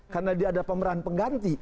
karena dia ada pemeran pengganti